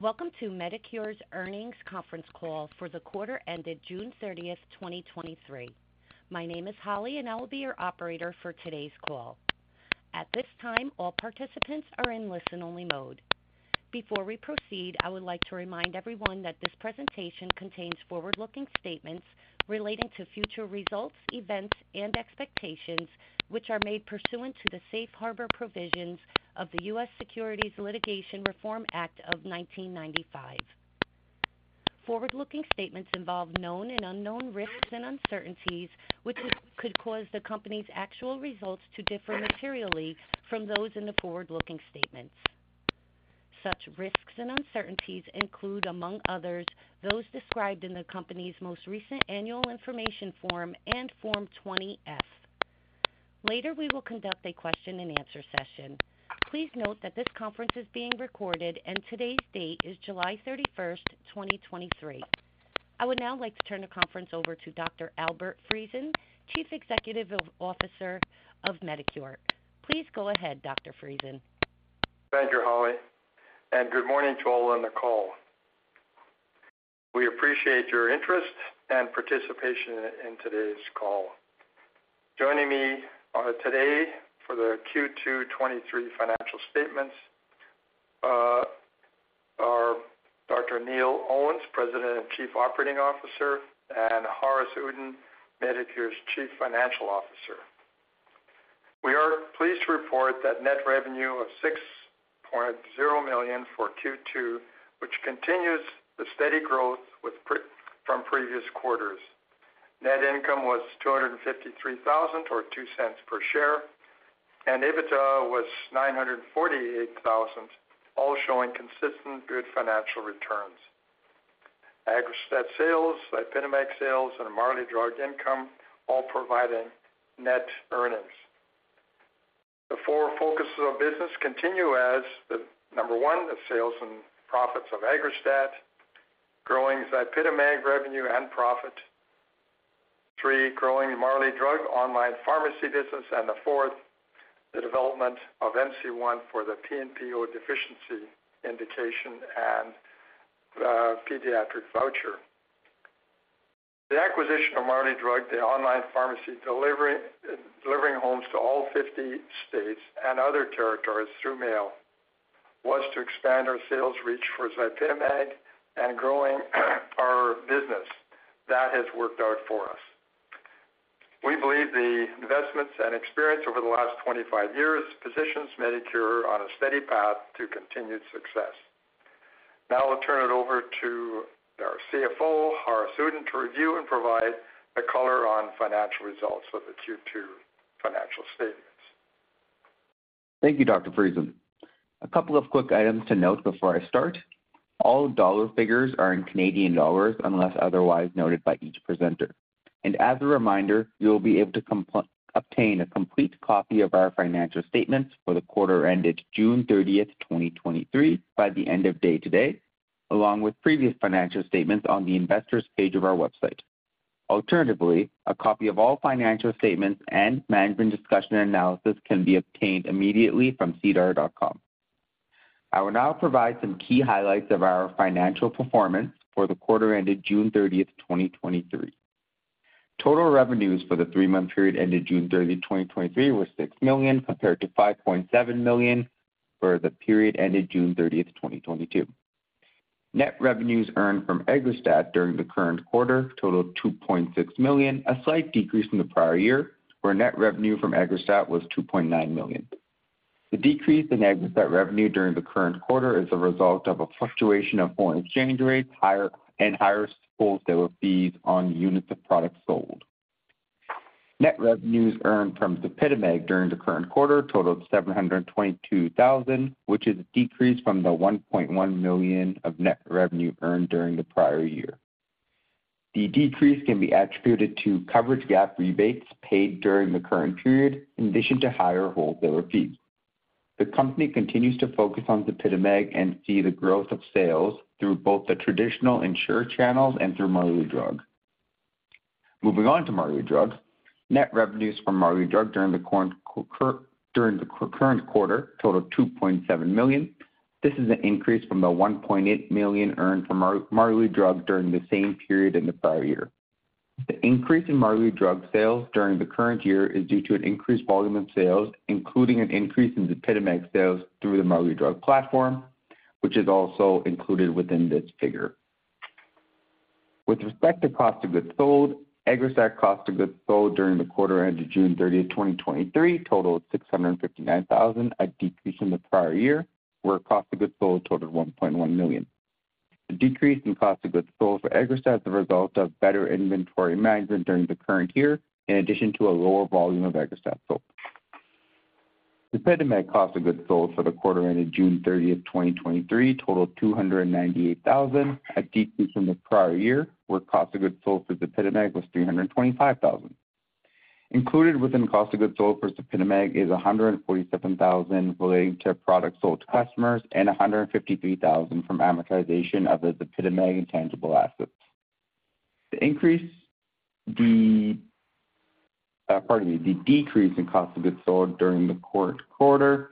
Welcome to Medicure's Earnings Conference Call for the quarter ended June 30, 2023. My name is Holly, and I will be your operator for today's call. At this time, all participants are in listen-only mode. Before we proceed, I would like to remind everyone that this presentation contains forward-looking statements relating to future results, events, and expectations, which are made pursuant to the Safe Harbor Provisions of the U.S. Securities Litigation Reform Act of 1995. Forward-looking statements involve known and unknown risks and uncertainties, which could cause the company's actual results to differ materially from those in the forward-looking statements. Such risks and uncertainties include, among others, those described in the company's most recent annual information form and Form 20-F. Later, we will conduct a question-and-answer session. Please note that this conference is being recorded, and today's date is July 31, 2023. I would now like to turn the conference over to Dr. Albert Friesen, Chief Executive Officer of Medicure. Please go ahead, Dr. Friesen. Thank you, Holly, and good morning to all on the call. We appreciate your interest and participation in today's call. Joining me today for the Q2 2023 financial statements are Dr. Neil Owens, President and Chief Operating Officer, and Haaris Uddin, Medicure's Chief Financial Officer. We are pleased to report that net revenue of 6.0 million for Q2, which continues the steady growth from previous quarters. Net income was 253,000, or 0.02 per share, and EBITDA was 948,000, all showing consistent good financial returns. Aggrastat sales, Zypitamag sales, and Marley Drug income all providing net earnings. The four focuses of business continue as the, number one, the sales and profits of Aggrastat, growing Zypitamag revenue and profit. Three, growing Marley Drug online pharmacy business, and the fourth, the development of MC-1 for the PNPO deficiency indication and pediatric voucher. The acquisition of Marley Drug, the online pharmacy delivery, delivering homes to all 50 states and other territories through mail, was to expand our sales reach for Zypitamag and growing our business. That has worked out for us. We believe the investments and experience over the last 25 years positions Medicure on a steady path to continued success. Now I'll turn it over to our CFO, Haaris Uddin, to review and provide a color on financial results of the Q2 financial statements. Thank you, Dr. Friesen. A couple of quick items to note before I start. All dollar figures are in Canadian dollars, unless otherwise noted by each presenter. As a reminder, you'll be able to obtain a complete copy of our financial statements for the quarter ended June 30th, 2023, by the end of day today, along with previous financial statements on the Investors page of our website. Alternatively, a copy of all financial statements and management discussion and analysis can be obtained immediately from sedar.com. I will now provide some key highlights of our financial performance for the quarter ended June 30th, 2023. Total revenues for the three-month period ended June 30th, 2023, were 6 million, compared to 5.7 million for the period ended June 30th, 2022. Net revenues earned from Aggrastat during the current quarter totaled 2.6 million, a slight decrease from the prior year, where net revenue from Aggrastat was 2.9 million. The decrease in Aggrastat revenue during the current quarter is a result of a fluctuation of foreign exchange rates, and higher wholesale fees on units of products sold. Net revenues earned from Zypitamag during the current quarter totaled 722,000, which is a decrease from the 1.1 million of net revenue earned during the prior year. The decrease can be attributed to Coverage Gap rebates paid during the current period, in addition to higher wholesaler fees. The company continues to focus on Zypitamag and see the growth of sales through both the traditional insurer channels and through Marley Drug. Moving on to Marley Drug. Net revenues from Marley Drug during the current quarter totaled 2.7 million. This is an increase from the 1.8 million earned from Marley Drug during the same period in the prior year. The increase in Marley Drug sales during the current year is due to an increased volume in sales, including an increase in Zypitamag sales through the Marley Drug platform, which is also included within this figure. With respect to cost of goods sold, Aggrastat cost of goods sold during the quarter ended June 30th, 2023, totaled 659,000, a decrease in the prior year, where cost of goods sold totaled 1.1 million. The decrease in cost of goods sold for Aggrastat is a result of better inventory management during the current year, in addition to a lower volume of Aggrastat sold. Zypitamag cost of goods sold for the quarter ended June 30, 2023, totaled 298,000, a decrease from the prior year, where cost of goods sold for Zypitamag was 325,000. Included within cost of goods sold for Zypitamag is 147,000 relating to products sold to customers and 153,000 from amortization of the Zypitamag intangible assets. The decrease in cost of goods sold during the current quarter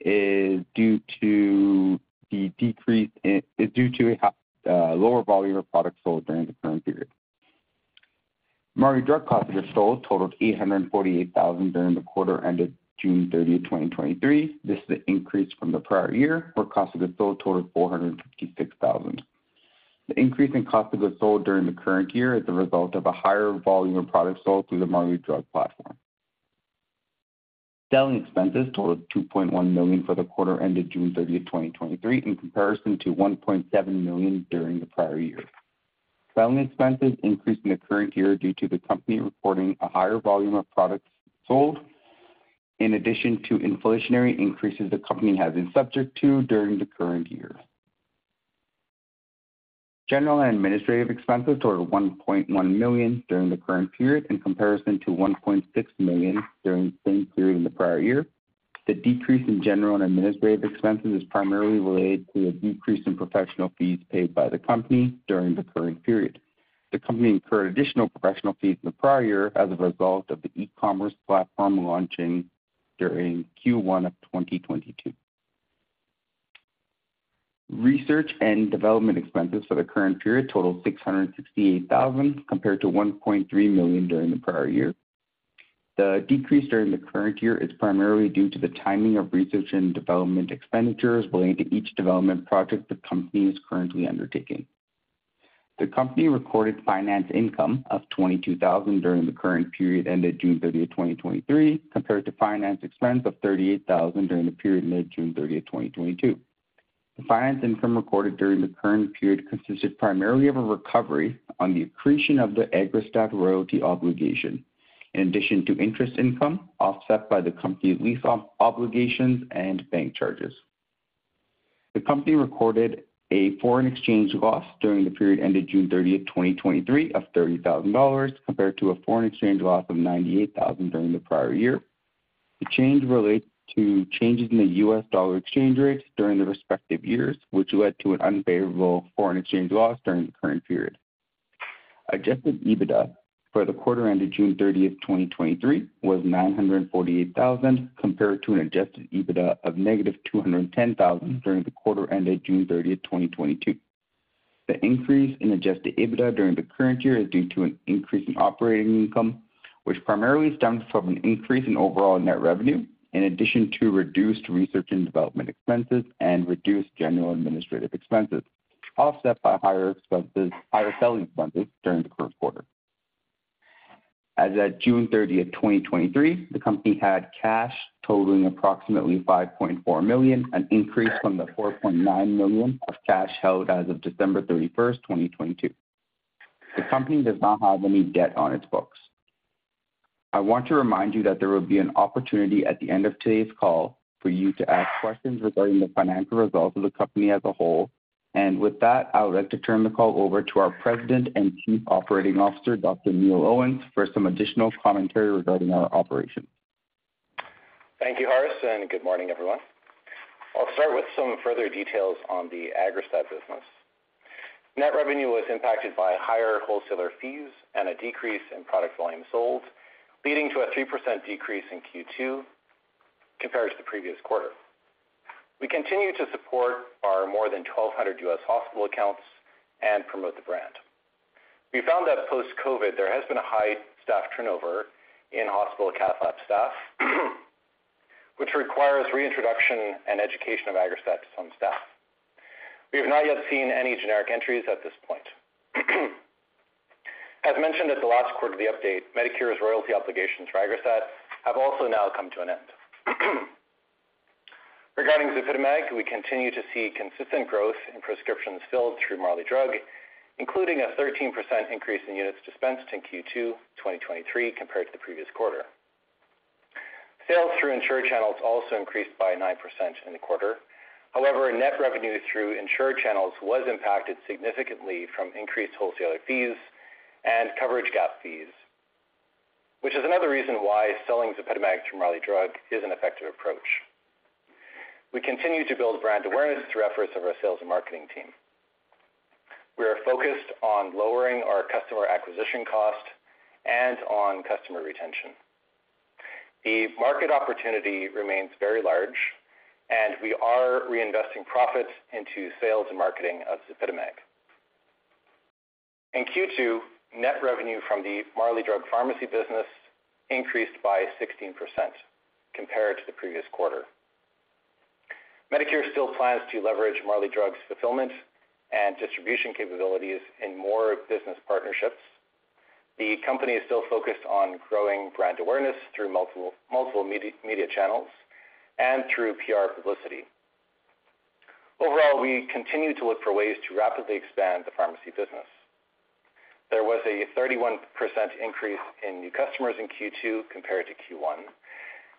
is due to the decrease in is due to a high, lower volume of products sold during the current period. Marley Drug cost of goods sold totaled 848,000 during the quarter ended June 30th, 2023. This is an increase from the prior year, where cost of goods sold totaled 456,000. The increase in cost of goods sold during the current year is a result of a higher volume of products sold through the Marley Drug platform. Selling expenses totaled 2.1 million for the quarter ended June 30th, 2023, in comparison to 1.7 million during the prior year. Selling expenses increased in the current year due to the company reporting a higher volume of products sold, in addition to inflationary increases the company has been subject to during the current year. General and administrative expenses totaled 1.1 million during the current period, in comparison to 1.6 million during the same period in the prior year. The decrease in general and administrative expenses is primarily related to a decrease in professional fees paid by the company during the current period. The company incurred additional professional fees in the prior year as a result of the e-commerce platform launching during Q1 of 2022. Research and development expenses for the current period totaled 668,000, compared to 1.3 million during the prior year. The decrease during the current year is primarily due to the timing of research and development expenditures related to each development project the company is currently undertaking. The company recorded finance income of 22,000 during the current period ended June 30th, 2023, compared to finance expense of 38,000 during the period ended June 30th, 2022. The finance income recorded during the current period consisted primarily of a recovery on the accretion of the Aggrastat royalty obligation, in addition to interest income offset by the company's lease obligations and bank charges. The company recorded a foreign exchange loss during the period ended June 30th, 2023, of 30,000 dollars, compared to a foreign exchange loss of 98,000 during the prior year. The change relates to changes in the US dollar exchange rate during the respective years, which led to an unfavorable foreign exchange loss during the current period. Adjusted EBITDA for the quarter ended June 30th, 2023, was 948,000, compared to an adjusted EBITDA of negative 210,000 during the quarter ended June 30, 2022. The increase in adjusted EBITDA during the current year is due to an increase in operating income, which primarily stems from an increase in overall net revenue, in addition to reduced research and development expenses and reduced general administrative expenses, offset by higher expenses, higher selling expenses during the current quarter. As at June 30th, 2023, the company had cash totaling approximately 5.4 million, an increase from the 4.9 million of cash held as of December 31st, 2022. The company does not have any debt on its books. I want to remind you that there will be an opportunity at the end of today's call for you to ask questions regarding the financial results of the company as a whole. With that, I would like to turn the call over to our President and Chief Operating Officer, Dr. Neil Owens, for some additional commentary regarding our operations. Thank you, Haaris, and good morning, everyone. I'll start with some further details on the Aggrastat business. Net revenue was impacted by higher wholesaler fees and a decrease in product volume sold, leading to a 3% decrease in Q2 compared to the previous quarter. We continue to support our more than 1,200 U.S. hospital accounts and promote the brand. We found that post-COVID, there has been a high staff turnover in hospital cath lab staff, which requires reintroduction and education of Aggrastat to some staff. We have not yet seen any generic entries at this point. As mentioned at the last quarterly update, Medicure's royalty obligations for Aggrastat have also now come to an end. Regarding Zypitamag, we continue to see consistent growth in prescriptions filled through Marley Drug, including a 13% increase in units dispensed in Q2 2023 compared to the previous quarter. Sales through insurer channels also increased by 9% in the quarter. Net revenue through insurer channels was impacted significantly from increased wholesaler fees and coverage gap fees, which is another reason why selling Zypitamag through Marley Drug is an effective approach. We continue to build brand awareness through efforts of our sales and marketing team. We are focused on lowering our customer acquisition cost and on customer retention. The market opportunity remains very large, and we are reinvesting profits into sales and marketing of Zypitamag. In Q2, net revenue from the Marley Drug pharmacy business increased by 16% compared to the previous quarter. Medicure still plans to leverage Marley Drug's fulfillment and distribution capabilities in more business partnerships. The company is still focused on growing brand awareness through multiple, multiple media channels and through PR publicity. Overall, we continue to look for ways to rapidly expand the pharmacy business. There was a 31% increase in new customers in Q2 compared to Q1,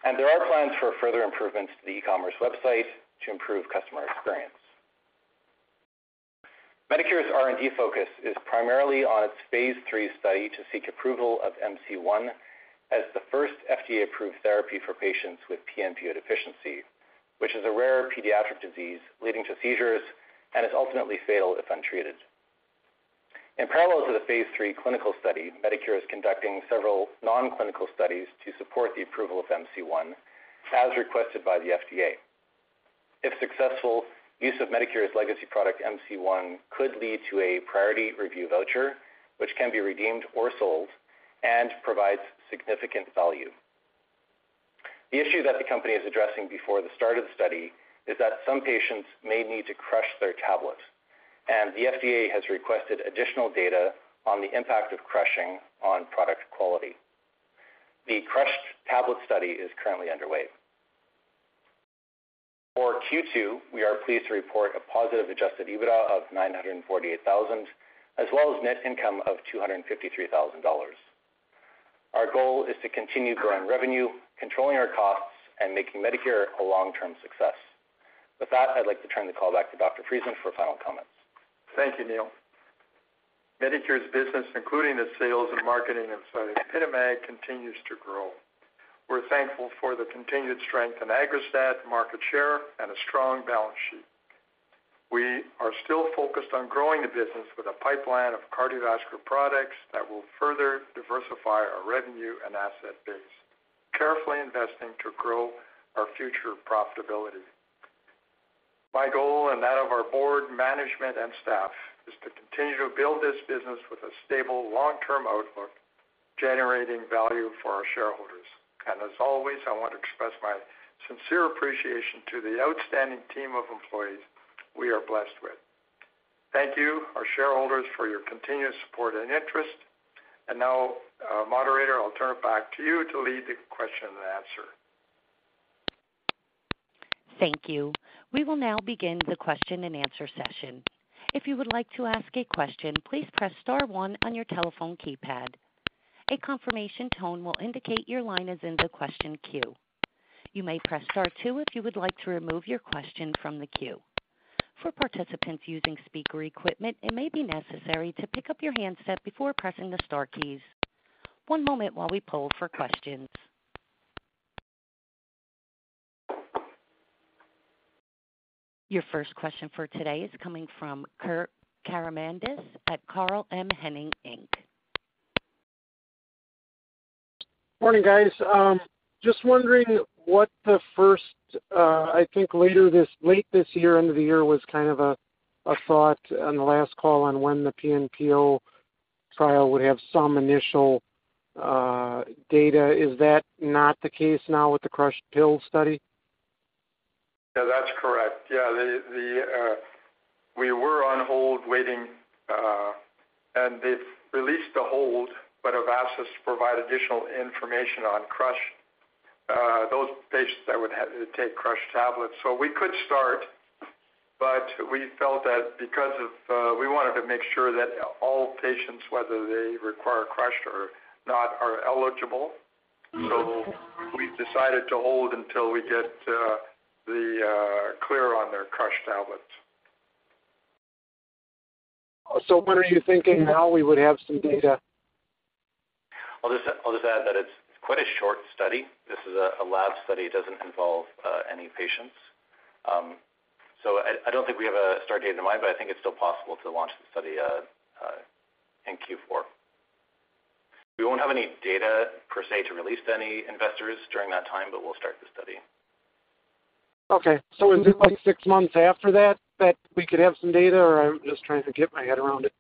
and there are plans for further improvements to the e-commerce website to improve customer experience. Medicure's R&D focus is primarily on its phase III study to seek approval of MC-1 as the first FDA-approved therapy for patients with PNPO deficiency, which is a rare pediatric disease leading to seizures and is ultimately fatal if untreated. In parallel to the phase III clinical study, Medicure is conducting several non-clinical studies to support the approval of MC-1, as requested by the FDA. If successful, use of Medicure's legacy product, MC-1, could lead to a priority review voucher, which can be redeemed or sold and provides significant value. The issue that the company is addressing before the start of the study is that some patients may need to crush their tablets, and the FDA has requested additional data on the impact of crushing on product quality. The crushed tablet study is currently underway. For Q2, we are pleased to report a positive adjusted EBITDA of 948,000, as well as net income of 253,000 dollars. Our goal is to continue growing revenue, controlling our costs, and making Medicure a long-term success. With that, I'd like to turn the call back to Dr. Friesen for final comments. Thank you, Neil. Medicure's business, including the sales and marketing of Zypitamag, continues to grow. We're thankful for the continued strength in Aggrastat market share and a strong balance sheet. We are still focused on growing the business with a pipeline of cardiovascular products that will further diversify our revenue and asset base, carefully investing to grow our future profitability. My goal, and that of our board, management, and staff, is to continue to build this business with a stable, long-term outlook, generating value for our shareholders. As always, I want to express my sincere appreciation to the outstanding team of employees we are blessed with. Thank you, our shareholders, for your continued support and interest. Now, moderator, I'll turn it back to you to lead the question and answer. Thank you. We will now begin the question-and-answer session. If you would like to ask a question, please press star one on your telephone keypad. A confirmation tone will indicate your line is in the question queue. You may press star two if you would like to remove your question from the queue. For participants using speaker equipment, it may be necessary to pick up your handset before pressing the star keys. One moment while we poll for questions. Your first question for today is coming from Kurt Caramanidis at Carl M. Hennig, Inc. Morning, guys. Just wondering what the first... I think later this, late this year, end of the year, was kind of a, a thought on the last call on when the PNPO trial would have some initial data. Is that not the case now with the crushed pill study? Yeah, that's correct. Yeah, we were on hold waiting. They've released the hold, but have asked us to provide additional information on crushed, those patients that would have to take crushed tablets. We could start, but we felt that because of, we wanted to make sure that all patients, whether they require crushed or not, are eligible. Mm-hmm. We've decided to hold until we get the clear on their crushed tablets. When are you thinking now we would have some data? I'll just, I'll just add that it's quite a short study. This is a, a lab study, it doesn't involve any patients. I, I don't think we have a start date in mind, but I think it's still possible to launch the study in Q4. We won't have any data, per se, to release to any investors during that time, but we'll start the study. Okay. Would it be, like, six months after that, that we could have some data, or I'm just trying to get my head around it?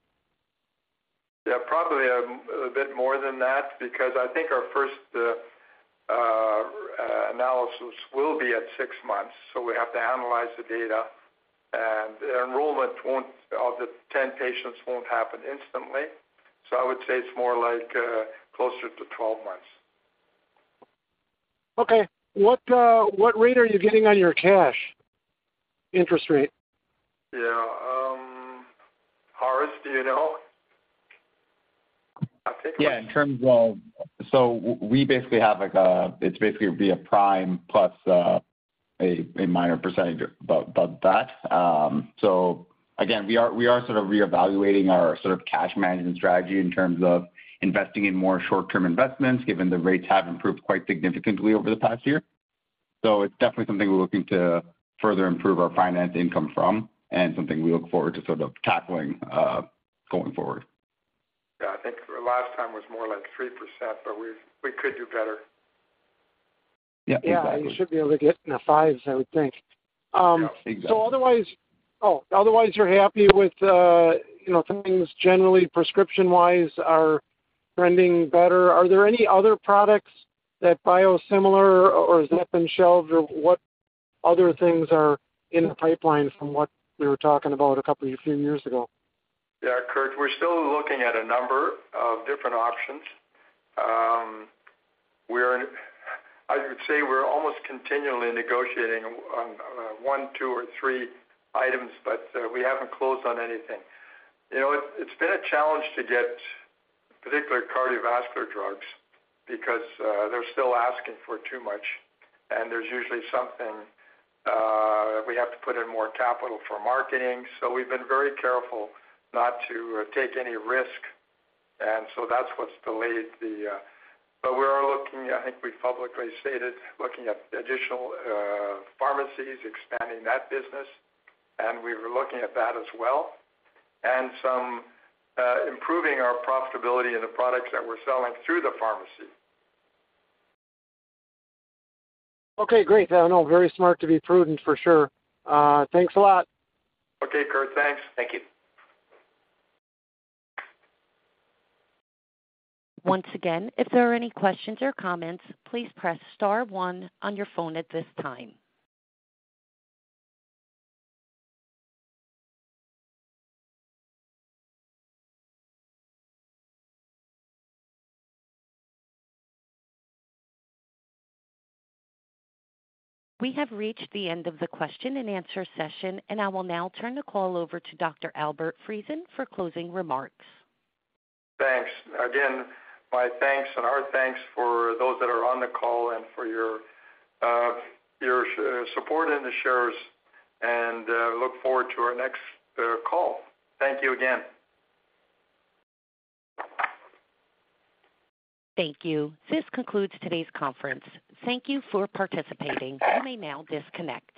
Yeah, probably a bit more than that, because I think our first analysis will be at six months, so we have to analyze the data, and the enrollment won't, of the 10 patients, won't happen instantly. I would say it's more like closer to 12 months. Okay. What, what rate are you getting on your cash? Interest rate. Yeah. Haaris, do you know? I think- Yeah, in terms of. We basically have, like, a, it's basically be a prime plus, a, a minor percentage above that. Again, we are, we are sort of reevaluating our sort of cash management strategy in terms of investing in more short-term investments, given the rates have improved quite significantly over the past year. It's definitely something we're looking to further improve our finance income from, and something we look forward to sort of tackling, going forward. Yeah, I think last time was more like 3%, but we, we could do better. Yeah, exactly. Yeah, you should be able to get in the fives, I would think. Yeah, exactly. Oh, otherwise, you're happy with, you know, things generally, prescription-wise, are trending better. Are there any other products, that biosimilar, or has that been shelved? What other things are in the pipeline from what we were talking about a couple, a few years ago? Yeah, Kurt, we're still looking at a number of different options. We're, I would say we're almost continually negotiating on one, two, or three items, but we haven't closed on anything. You know, it's, it's been a challenge to get particular cardiovascular drugs because they're still asking for too much, and there's usually something we have to put in more capital for marketing. We've been very careful not to take any risk, and so that's what's delayed the... We are looking, I think we publicly stated, looking at additional pharmacies, expanding that business, and we were looking at that as well, and some improving our profitability in the products that we're selling through the pharmacy. Okay, great. I know, very smart to be prudent for sure. Thanks a lot. Okay, Kurt. Thanks. Thank you. Once again, if there are any questions or comments, please press star one on your phone at this time. We have reached the end of the question-and-answer session. I will now turn the call over to Dr. Albert Friesen for closing remarks. Thanks. Again, my thanks and our thanks for those that are on the call and for your, your support in the shares, and look forward to our next call. Thank you again. Thank you. This concludes today's conference. Thank you for participating. You may now disconnect.